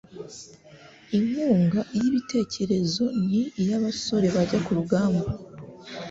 inkunga iy'ibitekerezo n'iy'abasore bajya ku rugamba